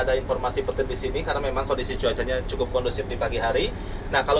ada informasi petir di sini karena memang kondisi cuacanya cukup kondusif di pagi hari nah kalau